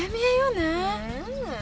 ねえ？